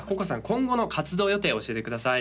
今後の活動予定教えてください